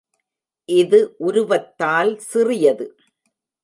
இது உருவத்தால் சிறியது.